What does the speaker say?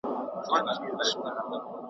منظور پښتین د پښتنو د دې زرکلن `